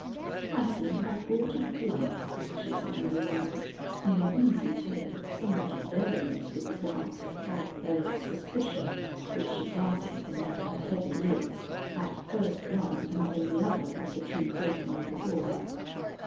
"I seem to have brought a blight," she suddenly murmured in an easy tone somewhat at variance with the glance of half veiled suspicion which she darted from under her heavy lids, at first one and then the other of the two gentlemen before her.